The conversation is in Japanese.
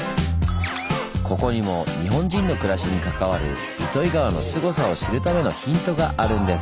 ここにも日本人の暮らしに関わる糸魚川のすごさを知るためのヒントがあるんです。